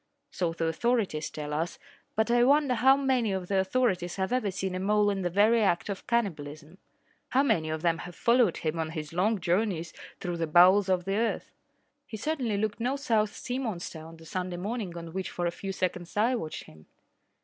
So the authorities tell us, but I wonder how many of the authorities have even seen a mole in the very act of cannibalism. How many of them have followed him on his long journeys through the bowels of the earth? He certainly looked no South Sea monster on the Sunday morning on which for a few seconds I watched him.